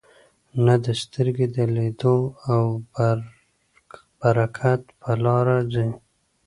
نه د سترګو د لیدلو او پر برکت په لاره ځي.